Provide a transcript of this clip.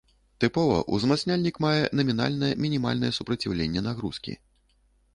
Тыпова, узмацняльнік мае намінальнае мінімальнае супраціўленне нагрузкі.